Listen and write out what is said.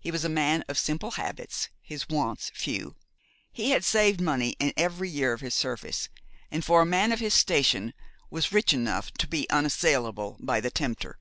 He was a man of simple habits, his wants few. He had saved money in every year of his service; and for a man of his station was rich enough to be unassailable by the tempter.